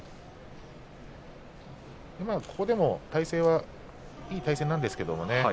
ここでも体勢はいい体勢なんですけどね。